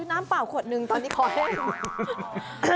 ซื้อน้ำเปล่าขวดหนึ่งตอนนี้ขอให้